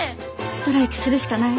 ストライキするしかない。